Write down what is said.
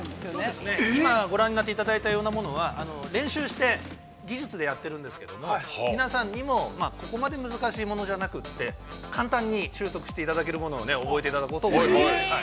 ◆今ご覧になったものは、練習して技術をやっているんですけれども、皆さんにも、ここまで難しいものじゃなくて簡単に習得していただけるものを覚えていただこうと思います。